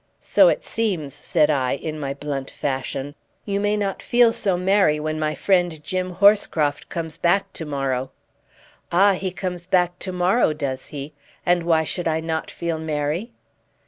"So it seems!" said I, in my blunt fashion. "You may not feel so merry when my friend Jim Horscroft comes back to morrow." "Ah! he comes back to morrow, does he? And why should I not feel merry?